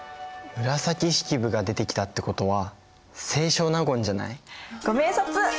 紫式部が出てきたってことは清少納言じゃない？ご明察！